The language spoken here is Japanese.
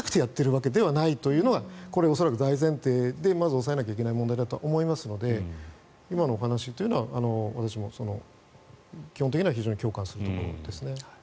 わけではないというのがこれ、恐らく大前提で押さえなきゃいけない問題だとは思いますので今のお話というのは私も基本的には非常に共感するところですね。